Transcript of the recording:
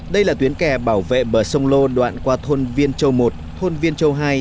đây là tuyến kè bảo vệ bờ sông lô đoạn qua thôn viên châu i thôn viên châu ii